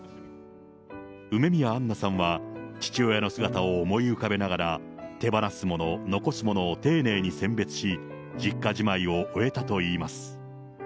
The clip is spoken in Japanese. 梅宮アンナさんは、父親の姿を思い浮かべながら、手放すもの、残すものを丁寧に選別し、実家じまいを終えたといいます。